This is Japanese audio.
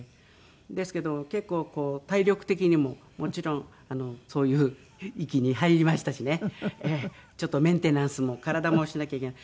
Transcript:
ですけど結構こう体力的にももちろんそういう域に入りましたしねちょっとメンテナンスも体もしなきゃいけない。